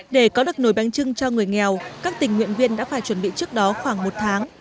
để có được nồi bánh trưng cho người nghèo các tình nguyện viên đã phải chuẩn bị trước đó khoảng một tháng